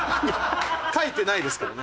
書いてないですけどね。